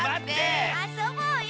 あそぼうよ